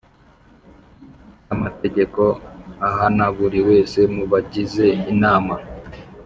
Cy amategeko ahana buri wese mu bagize inama